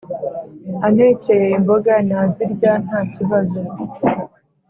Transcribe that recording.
antekeye imboga nazirya ntakibazo